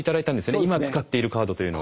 今使っているカードというのを。